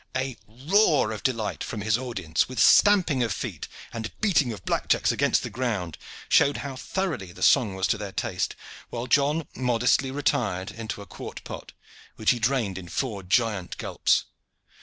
A roar of delight from his audience, with stamping of feet and beating of blackjacks against the ground, showed how thoroughly the song was to their taste, while John modestly retired into a quart pot, which he drained in four giant gulps.